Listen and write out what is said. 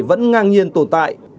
vẫn ngang nhiên tồn tại